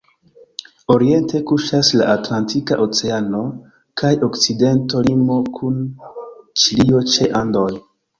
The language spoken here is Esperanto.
Oriente kuŝas la Atlantika Oceano kaj okcidento limo kun Ĉilio ĉe Andoj.